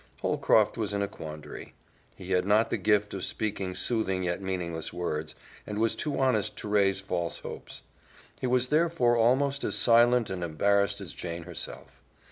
Holcroft was in a quandary. He had not the gift of speaking soothing yet meaningless words, and was too honest to raise false hopes. He was therefore almost as silent and embarrassed as Jane herself.